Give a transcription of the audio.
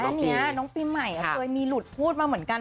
แต่ก่อนแรกเนี้ยน้องปีใหม่เคยมีหลุดพูดมาเหมือนกัน